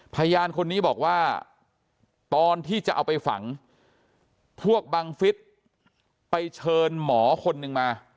พยานคนนี้บอกว่าตอนที่จะเอาไปฝังพวกบังฟิศไปเชิญหมอคนหนึ่งมา